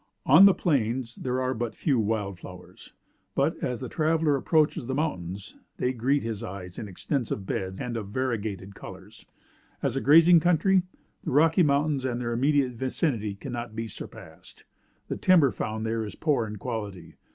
On the plains there are but few wild flowers; but, as the traveler approaches the mountains, they greet his eyes in extensive beds and of variegated colors. As a grazing country, the Rocky Mountains and their immediate vicinity cannot be surpassed. The timber found there is poor in quality.